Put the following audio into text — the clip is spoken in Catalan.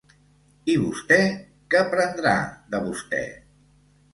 I vostè, què prendrà de vostè?